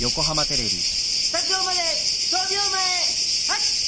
スタジオまで１０秒前８７。